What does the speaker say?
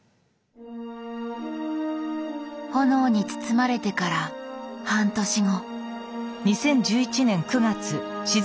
炎に包まれてから半年後。